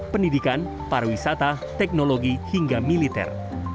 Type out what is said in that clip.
pendidikan pariwisata teknologi hingga militer